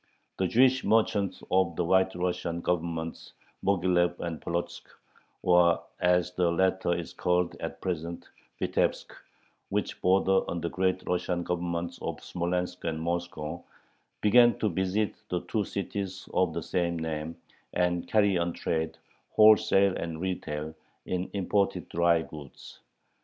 The Jewish merchants of the White Russian Governments Moghilev and Polotzk (or, as the latter is called at present, Vitebsk) which border on the Great Russian Governments of Smolensk and Moscow, began to visit the two cities of the same name and carry on trade, wholesale and retail, in imported dry goods.